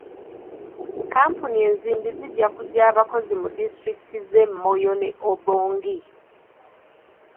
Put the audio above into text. Kampuni enzimbi zijja kujja abakozi mu disitulikiti z'e Moyo ne Obongi.